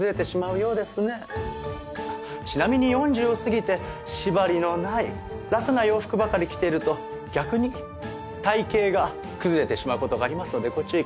あっちなみに４０を過ぎて縛りのない楽な洋服ばかり着ていると逆に体形が崩れてしまう事がありますのでご注意ください。